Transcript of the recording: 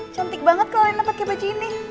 cantik banget kalau enak pakai baju ini